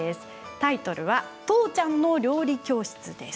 タイトルは「父ちゃんの料理教室」です。